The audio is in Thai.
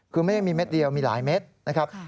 คือไม่ได้มีเม็ดเดียวมีหลายเม็ดนะครับ